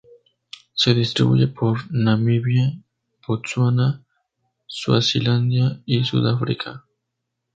Se distribuye por Namibia, Botsuana, Suazilandia y Sudáfrica.